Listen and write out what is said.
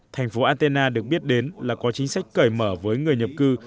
thành phố artena được biết đến là có chính sách cởi mở với người nhập cư